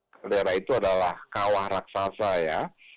kaldera itu adalah kawah raksasa ya